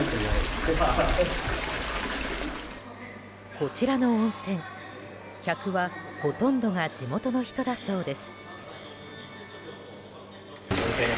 こちらの温泉客はほとんどが地元の人だそうです。